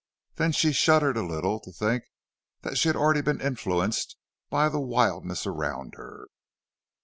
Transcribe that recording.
Then she shuddered a little to think that she had already been influenced by the wildness around her.